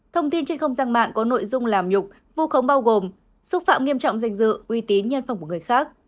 thông tin trên không gian mạng có nội dung làm nhục vu khống bao gồm xúc phạm nghiêm trọng danh dự uy tín nhân phẩm của người khác